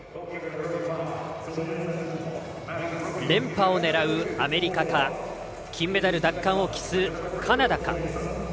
連覇を狙うアメリカか金メダル奪還を期すカナダか。